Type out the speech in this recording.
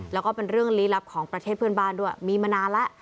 แล้วก็เป็นเรื่องลี้ลับของประเทศเพื่อนบ้านด้วยมีมานานแล้ว